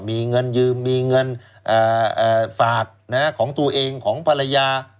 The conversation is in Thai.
มีเงินยืมมีเงินฝากของตัวเองของภรรยา